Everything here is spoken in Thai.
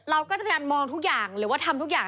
เราก็จะพยายามมองทุกอย่างหรือว่าทำทุกอย่าง